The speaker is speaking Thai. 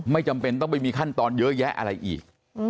จำเป็นต้องไปมีขั้นตอนเยอะแยะอะไรอีก